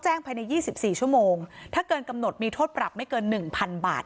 ภายใน๒๔ชั่วโมงถ้าเกินกำหนดมีโทษปรับไม่เกินหนึ่งพันบาท